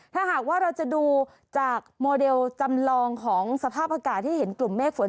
ถ้าหากว่าเราจะดูจากโมเดลจำลองของสภาพอากาศที่เห็นกลุ่มเมฆฝน